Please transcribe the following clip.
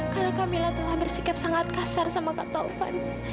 karena kamilah telah bersikap sangat kasar sama kak tovan